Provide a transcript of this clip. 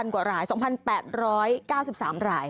กว่าราย๒๘๙๓ราย